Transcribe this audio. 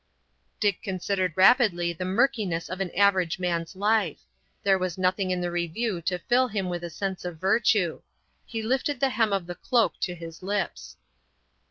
Dick considered rapidly the murkiness of an average man's life. There was nothing in the review to fill him with a sense of virtue. He lifted the hem of the cloak to his lips.